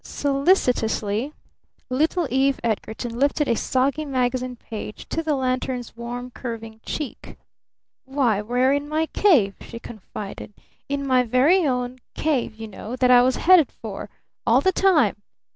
Solicitously little Eve Edgarton lifted a soggy magazine page to the lantern's warm, curving cheek. "Why we're in my cave," she confided. "In my very own cave you know that I was headed for all the time.